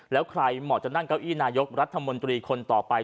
แล้วใครเหมาะจะนั่งเก้าอี้นายกรัฐมนตรีคนต่อไป